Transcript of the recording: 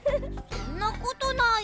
そんなことないよ。